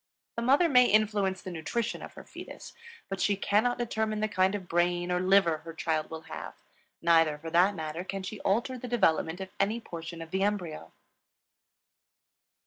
The mother may influence the nutrition of the fetus; but she cannot determine the kind of brain or liver her child will have; neither for that matter can she alter the development of any portion of the embryo.